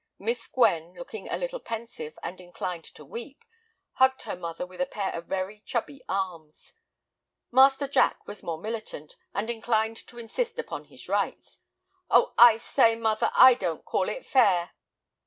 Miss Gwen, looking a little pensive and inclined to weep, hugged her mother with a pair of very chubby arms. Master Jack was more militant, and inclined to insist upon his rights. "Oh, I say, mother, I don't call it fair!"